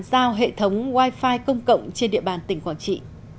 giao hệ thống wi fi công cộng trên địa bàn tỉnh quảng trị